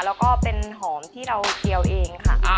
แล้วก็เป็นหอมที่เราเคียวเองค่ะ